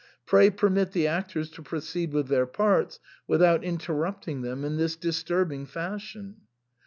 *' Pray permit the actors to proceed with their parts without interrupting them in this disturbing fashion."